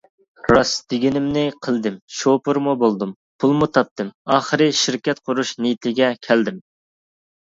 راست دېگىنىمنى قىلدىم، شوپۇرمۇ بولدۇم، پۇلمۇ تاپتىم، ئاخىرى شىركەت قۇرۇش نىيىتىگە كەلدىم.